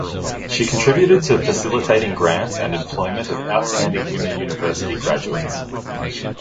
She contributed to facilitating grants and employment of outstanding women university graduates.